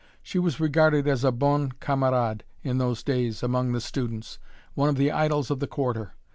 She was regarded as a bonne camarade in those days among the students one of the idols of the Quarter!